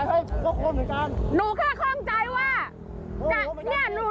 หนูก็งงตรงนี้